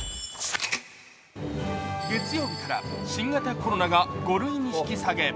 月曜日から新型コロナが５類に引き下げ。